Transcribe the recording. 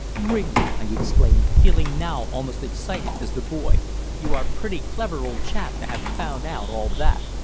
"Really," I exclaimed, feeling now almost as excited as the boy, "you are pretty clever, old chap, to have found out all that.